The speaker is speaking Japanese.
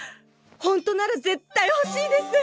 ホントなら絶対ほしいです！